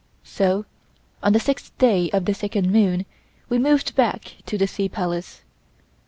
So on the sixth day of the second moon we moved back to the Sea Palace.